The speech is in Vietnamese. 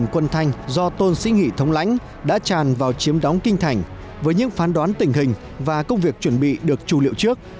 hai trăm chín mươi quân thanh do tôn sĩ nghị thống lãnh đã tràn vào chiếm đóng kinh thành với những phán đoán tình hình và công việc chuẩn bị được trù liệu trước